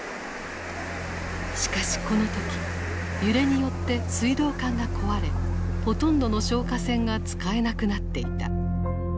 しかしこの時揺れによって水道管が壊れほとんどの消火栓が使えなくなっていた。